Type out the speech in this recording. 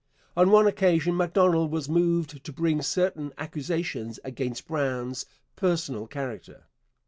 On one occasion Macdonald was moved to bring certain accusations against Brown's personal character.